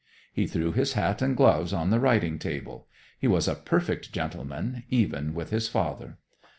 He threw his hat and gloves on the writing table. He was a perfect gentleman, even with his father.